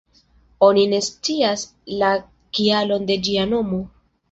Oni ne scias la kialon de ĝia nomo.